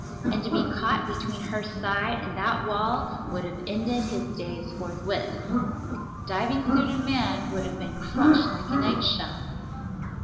And to be caught between her side and that wall would have ended his days forthwith. Diving suit and man would have been crushed like an egg shell.